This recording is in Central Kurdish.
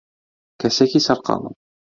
کەسێکی سەرقاڵم.